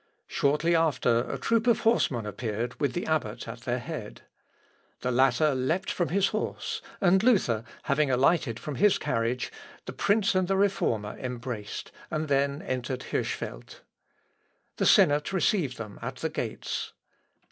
Shortly after a troop of horsemen appeared with the abbot at their head. The latter leapt from his horse, and Luther having alighted from his carriage, the prince and the Reformer embraced, and then entered Hirschfeld. The senate received them at the gates.